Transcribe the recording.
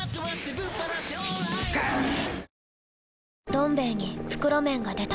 「どん兵衛」に袋麺が出た